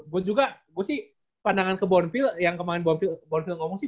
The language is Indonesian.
gue juga pandangan ke bonville yang kemarin bonville ngomong sih